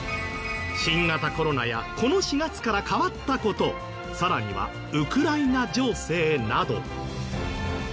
新型コロナやこの４月から変わった事さらにはウクライナ情勢など。